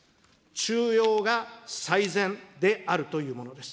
中庸が最善であるというものです。